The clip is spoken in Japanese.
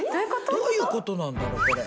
どういうことなんだろこれ。